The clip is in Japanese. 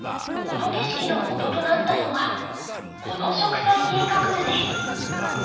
この景色のもととなったのがこの植栽計画図です。